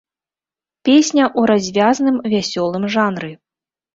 Песня ў развязным, вясёлым жанры.